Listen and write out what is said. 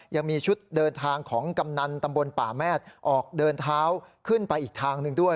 ยังมีชุดเดินทางของกำนันตำบลป่าแมทออกเดินเท้าขึ้นไปอีกทางหนึ่งด้วย